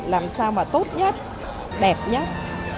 làm sao mà tốt nhất đẹp nhất